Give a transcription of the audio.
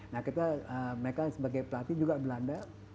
nah kita mereka sebagai pelatih juga belanda